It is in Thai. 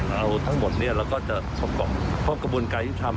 เอาทั้งหมดเนี่ยเราก็จะประกอบของกระบวนการยุทธรรม